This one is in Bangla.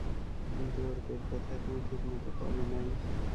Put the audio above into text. কিন্তু ওর পেট ব্যথা এখনো ঠিকমত কমে নাই।